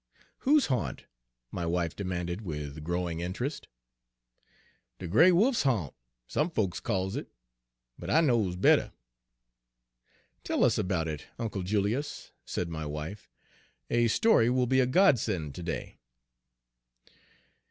"Whose haunt?" my wife demanded, with growing interest. "De gray wolf's ha'nt, some folks calls it, but I knows better." "Tell us about it, Uncle Julius," said my wife. "A story will be a godsend to day."